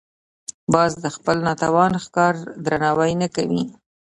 باز د خپل ناتوان ښکار درناوی نه کوي